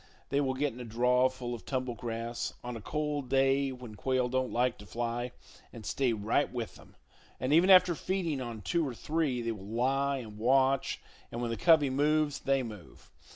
They will get in a draw full of tumble grass, on a cold day when quail don't like to fly, and stay right with them; and even after feeding on two or three, they will lie and watch, and when the covey moves, they move.